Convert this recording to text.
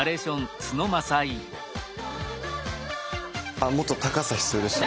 あもっと高さ必要でした？